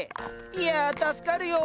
いや助かるよ。